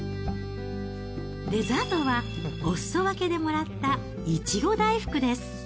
デザートは、おすそ分けでもらったいちご大福です。